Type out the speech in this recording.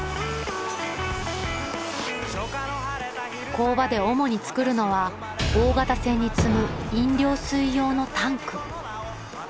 工場で主に作るのは大型船に積む飲料水用のタンク。